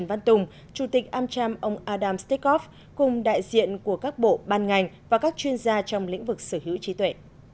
văn tùng chủ tịch amcham ông adam stekov cùng đại diện của các bộ ban ngành và các chuyên gia trong lĩnh vực sở hữu trí tuệ